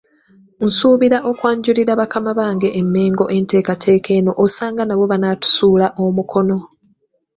Nsuubira okwanjulira bakama bange e Mengo enteekateeka eno osanga nabo banaatusuula omukono.